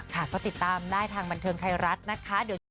ค่ะก็ติดตามได้ทางบันเทิงไทยรัฐนะคะ